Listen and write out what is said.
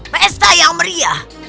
pesta yang meriah